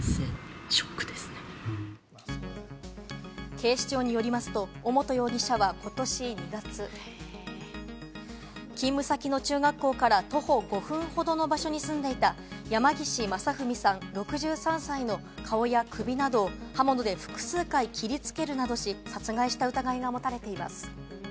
警視庁によりますと、尾本容疑者は今年２月、勤務先の中学校から徒歩５分ほどの場所に住んでいた山岸正文さん６３歳の顔や首などを刃物で複数回切りつけるなどし、殺害した疑いが持たれています。